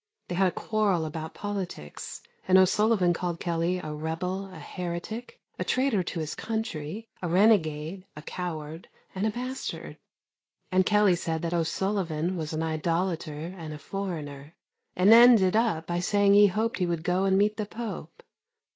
They had a quarrel about politicks and O'Sullivan called Kelley a rebel, a heretick, a traitor to his country, a renegade, a coward and a bastard; and Kelley said that O'Sullivan was an idolater and a foreigner, and ended up by saying he hoped he would go and meet the Pope.